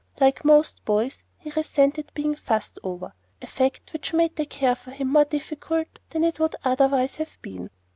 Like most boys, he resented being "fussed over," a fact which made the care of him more difficult than it would otherwise have been.